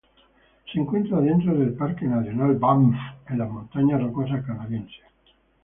Se encuentra dentro del Parque Nacional Banff, en las Montañas Rocosas canadienses.